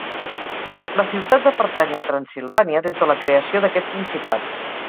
La ciutat va pertànyer a Transsilvània des de la creació d'aquest principat.